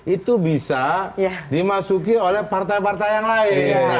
itu bisa dimasuki oleh partai partai yang lain